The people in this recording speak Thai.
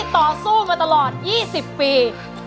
ต่อสู้มาตลอด๒๐ปี